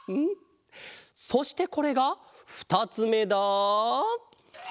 そしてこれがふたつめだ。